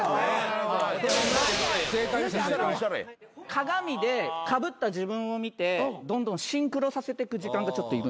鏡でかぶった自分を見てどんどんシンクロさせてく時間がちょっといる。